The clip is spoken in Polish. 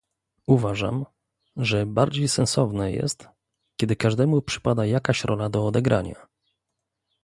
Uważam, że bardziej sensowne jest, kiedy każdemu przypada jakaś rola do odegrania